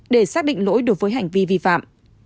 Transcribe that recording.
để xác định lỗi đối với hành vi vi phạm